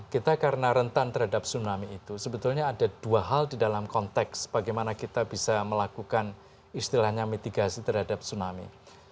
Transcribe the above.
kita karena rentan terhadap tsunami itu sebetulnya ada dua hal di dalam konteks bagaimana kita bisa melakukan istilahnya mitigasi terhadap tsunami